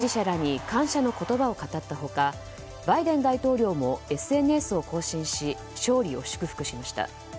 ワーノック氏は勝利宣言を行い支持者らに感謝の言葉を語った他バイデン大統領もＳＮＳを更新し勝利を祝福しました。